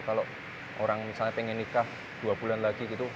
kalau orang misalnya pengen nikah dua bulan lagi gitu